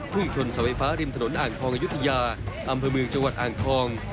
ชนเสาไฟฟ้าริมถนนอ่างทองอายุทยาอำเภอเมืองจังหวัดอ่างทอง